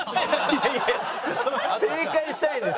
いやいや正解したいんです。